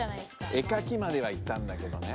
絵かきまではいったんだけどね。